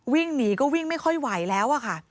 วิ่งหนีก็วิ่งไม่ค่อยไหวแล้วอะค่ะ